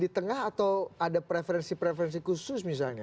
jadi proses demokrasi masih di tengah atau ada preferensi preferensi khusus misalnya